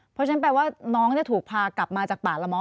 เพราะฉะนั้นแปลว่าน้องถูกพากลับมาจากป่าละม้อ